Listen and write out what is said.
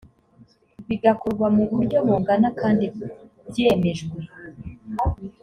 bigakorwa mu buryo bungana kandi byemejwe